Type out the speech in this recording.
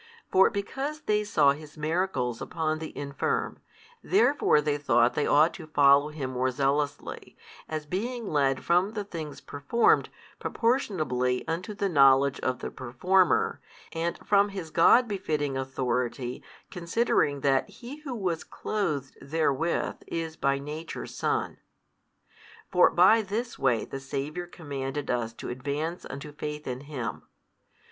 For because they saw His miracles upon the infirm, therefore they thought they ought to follow Him more zealously, as being led from the things performed proportionably unto the knowledge of the Performer, and from His God befitting Authority considering that He who was clothed therewith is by Nature Son. For by this way the Saviour commanded us to advance unto faith in Him.